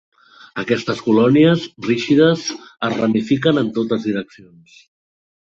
Aquestes colònies, rígides, es ramifiquen en totes direccions.